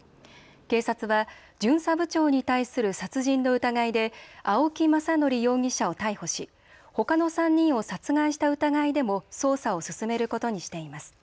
警察は巡査部長に対する殺人の疑いで青木政憲容疑者を逮捕しほかの３人を殺害した疑いでも捜査を進めることにしています。